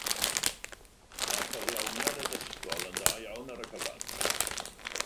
Mae cyflawniad addysgol yn dda iawn ar y cyfan.